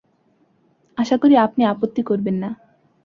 আশা করি আপনি আপত্তি করবেন না।